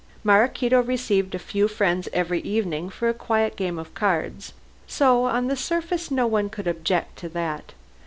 Maraquito received a few friends every evening for a quiet game of cards, so on the surface no one could object to that.